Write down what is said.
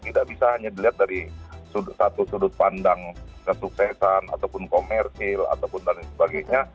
tidak bisa hanya dilihat dari satu sudut pandang kesuksesan ataupun komersil ataupun dan sebagainya